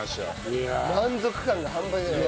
満足感が半端じゃない。